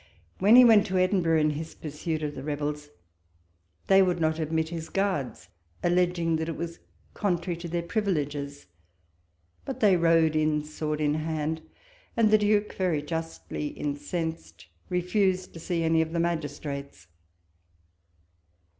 When he went to Edinburgh, in his pursuit of the rebels, they would not admit his guards, alleging that it was contrary to their privileges : but they_ rode in, sword in hand ; and the Duke, very justly incensed, refused to see any of the magistrates. 52 walpole's letters.